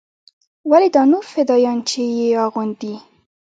ولې دا نور فدايان چې يې اغوندي.